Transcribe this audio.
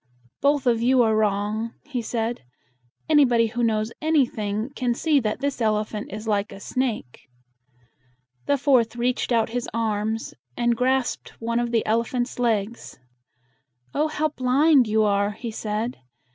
"Both of you are wrong," he said. "Anybody who knows anything can see that this elephant is like a snake." The fourth reached out his arms, and grasped one of the elephant's legs. "Oh, how blind you are!" he said.